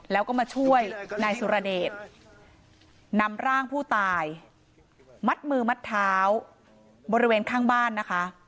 แล้วก็มาช่วยนายสุรเดชนำร่างผู้ตายมัดมือมัดเท้าบริเวณข้างบ้านนะคะ